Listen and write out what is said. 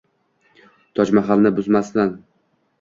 Tojmahalni buzmasman.